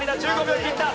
１５秒切った！